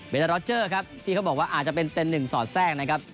เป็นดารอเจอร์ครับที่เขาบอกว่าอาจจะเป็นเต็นหนึ่งสอดแทรกนะครับ